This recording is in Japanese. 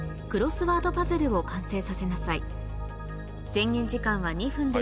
制限時間は２分です